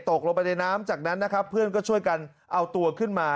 ตกลงไปในน้ำจากนั้นนะครับเพื่อนก็ช่วยกันเอาตัวขึ้นมา